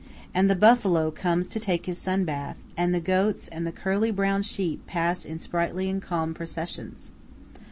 And the buffalo comes to take his sun bath; and the goats and the curly, brown sheep pass in sprightly and calm processions.